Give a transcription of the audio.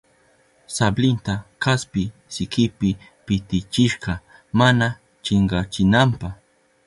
Sablinta kaspi sikipi pitichishka mana chinkachinanpa.